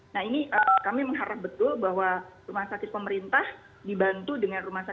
nah ini kami mengharap betul bahwa rumah sakit pemerintah dibantu dengan keadaan yang baik